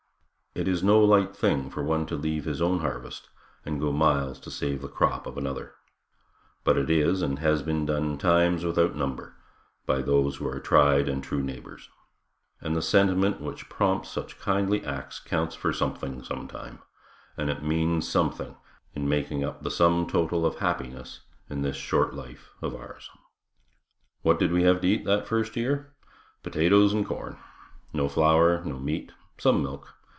It is no light thing for one to leave his own harvest and go miles to save the crop of another, but it is and has been done times without number by those who are tried and true neighbors and the sentiment which prompts such kindly acts counts for something some time, and it means something in making up the sum total of happiness in this short life of ours. What did we have to eat that first year? Potatoes and corn. No flour, no meat, some milk.